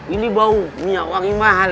ini bau minyak wangi mahal